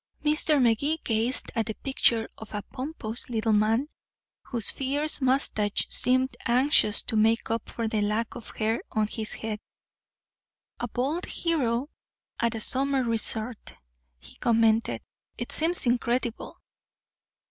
Mr. Magee gazed at the picture of a pompous little man, whose fierce mustache seemed anxious to make up for the lack of hair on his head. "A bald hero at a summer resort," he commented, "it seems incredible."